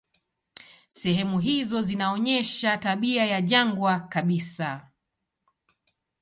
Sehemu hizo zinaonyesha tabia ya jangwa kabisa.